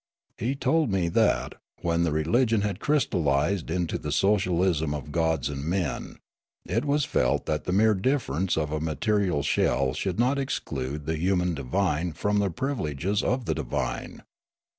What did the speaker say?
He told me that, when the religion had crj'stallised into the socialism of gods and men, it was felt that the mere difference of a material shell .should not exclude the human divine from the privileges of the divine.